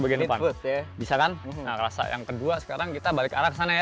bisa kan rasa yang kedua sekarang kita balik arah ke sana ya